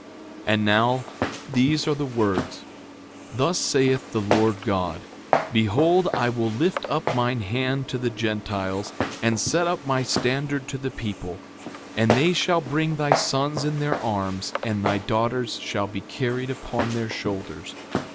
6:6 And now these are the words: Thus saith the Lord God: Behold, I will lift up mine hand to the Gentiles, and set up my standard to the people; and they shall bring thy sons in their arms, and thy daughters shall be carried upon their shoulders.